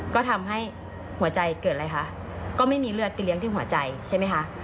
ก็ทำให้หัวใจเกิดอะไรคะก็ไม่มีเลือดไปเลี้ยงที่หัวใจใช่ไหมคะ